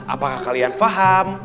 apakah kalian paham